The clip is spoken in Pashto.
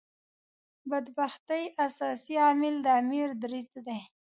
بدبختۍ اساسي عامل د امیر دریځ دی.